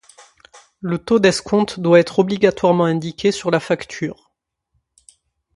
Le taux d'escompte doit être obligatoirement indiqué sur la facture.